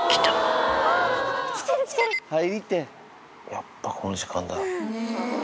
やっぱこの時間だ。